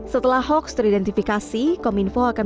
setelah hoaks teridentifikasi kominfo akan memperbaiki